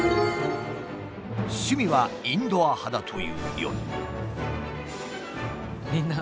趣味はインドア派だという４人。